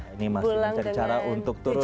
ini masih mencari cara untuk turun